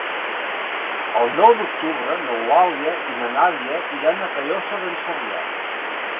El nou d'octubre n'Eulàlia i na Nàdia iran a Callosa d'en Sarrià.